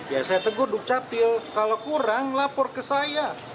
ya saya tegur dukcapil kalau kurang lapor ke saya